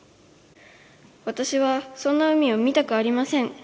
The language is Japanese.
わたしは、そんな海を見たくありません。